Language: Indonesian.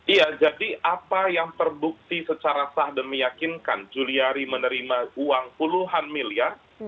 iya jadi apa yang terbukti secara sah dan meyakinkan juliari menerima uang puluhan miliar